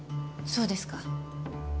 そうですか。